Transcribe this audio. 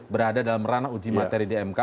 berada dalam ranah uji materi di mk